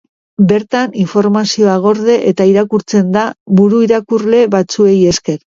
Bertan informazioa gorde eta irakurtzen da buru irakurle batzuei esker.